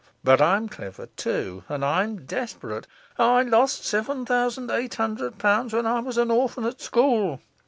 But I'm clever too; and I'm desperate. I lost seven thousand eight hundred pounds when I was an orphan at school.